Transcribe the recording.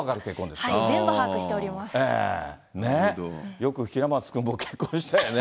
よく平松君も結婚したよね。